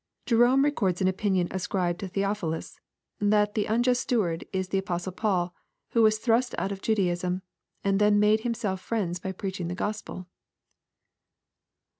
Jerome records an opinion ascribed to Theophilus, that the unjust steward is the Apostle Paul, who was thrust out of Judaism, — and then made himself friends by preaching the Gospel.